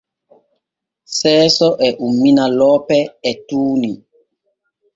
Seeso e ummina loope e tuuni.